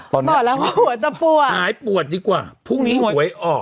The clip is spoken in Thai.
บอกแล้วว่าหัวจะปวดหายปวดดีกว่าพรุ่งนี้หวยออก